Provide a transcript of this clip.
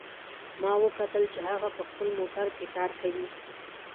ما وکتل چې هغه په خپل موټر کې کار کوي